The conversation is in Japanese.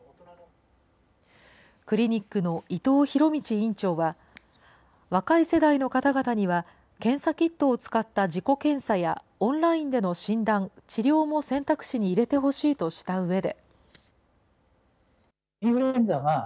クリニックの伊藤博道院長は、若い世代の方々には、検査キットを使った自己検査やオンラインでの診断・治療も選択肢に入れてほしいとしたうえで。